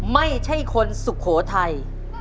ไม่ใช่คนสุโขทัย